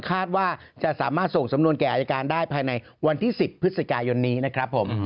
คาดว่าจะสามารถส่งสำนวนแก่อายการได้ภายในวันที่๑๐พฤศจิกายนนี้นะครับผม